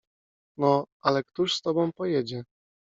No, ale któż z tobą pojedzie?